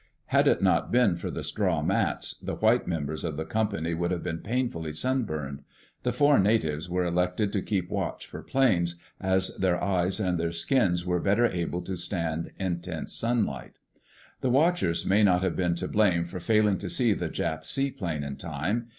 Had it not been for the straw mats, the white members of the company would have been painfully sunburned. The four natives were elected to keep watch for planes, as their eyes and their skins were better able to stand intense sunlight. The watchers may not have been to blame for failing to see the Jap seaplane in time.